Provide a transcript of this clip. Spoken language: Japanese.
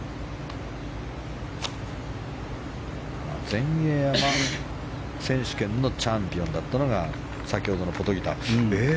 全英アマ選手権のチャンピオンだったのが先ほどのポトギター。